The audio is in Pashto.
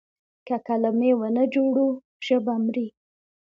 که کلمې ونه جوړو ژبه مري.